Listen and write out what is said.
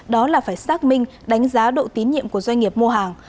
đó là phải xác minh đánh giá độ tín nhiệm của doanh nghiệp mua hàng